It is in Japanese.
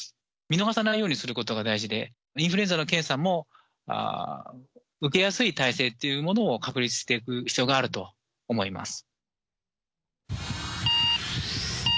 見逃さないようにすることが大事で、インフルエンザの検査も、受けやすい体制というものを確立していく必要があると思います。